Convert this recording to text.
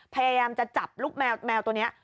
พยายามจะจับลูกแมวตัวนี้